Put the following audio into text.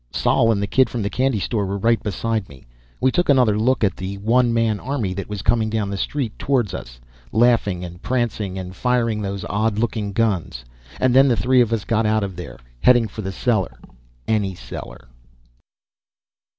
Sol and the kid from the candy store were right beside me. We took another look at the one man army that was coming down the street toward us, laughing and prancing and firing those odd looking guns. And then the three of us got out of there, heading for the cellar. Any cellar.